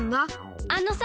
あのさ